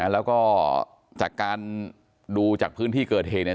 แล้วก็จากการดูจากพื้นที่เกิดเหตุเนี่ย